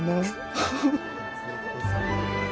ハハハ。